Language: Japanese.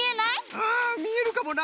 うんみえるかもな。